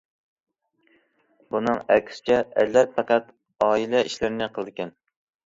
بۇنىڭ ئەكسىچە، ئەرلەر پەقەت ئائىلە ئىشلىرىنى قىلىدىكەن.